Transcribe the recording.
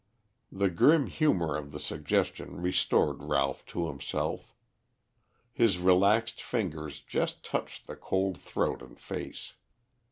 The grim humor of the suggestion restored Ralph to himself. His relaxed fingers just touched the cold throat and face.